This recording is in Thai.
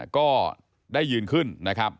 ก็ได้ยืนขึ้นนะครับ